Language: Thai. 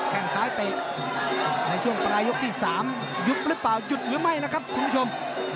แค่งซ้ายเตะในช่วงปลายยกที่๓ยุบหรือเปล่าหยุดหรือไม่นะครับคุณผู้ชม